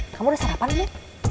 kamu udah sarapan bu